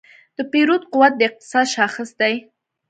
د پیرود قوت د اقتصاد شاخص دی.